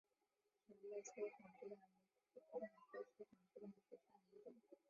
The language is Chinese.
小叶粗筒苣苔为苦苣苔科粗筒苣苔属下的一个种。